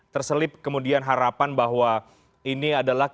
terselip kemudian harapan bahwa ini adalah